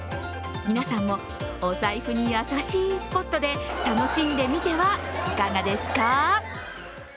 皆さんもお財布に優しいスポットで楽しんでみてはいかがですか？